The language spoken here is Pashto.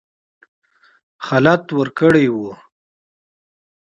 خلعت ورکړی وو.